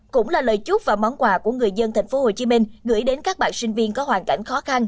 cũng là lời chúc và món quà của người dân tp hcm gửi đến các bạn sinh viên có hoàn cảnh khó khăn